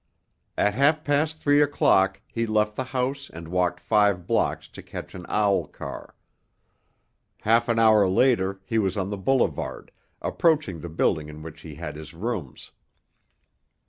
At half past three o'clock he left the house and walked five blocks to catch an owl car. Half an hour later he was on the boulevard, approaching the building in which he had his rooms.